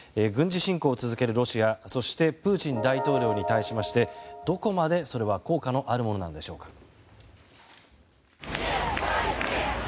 軍事侵攻を続けるロシアそしてプーチン大統領に対しましてどこまでそれは効果のあるものなんでしょうか。